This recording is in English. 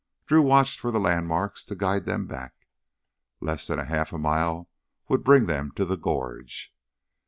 Drew watched for the landmarks to guide them back. Less than half a mile would bring them to the gorge.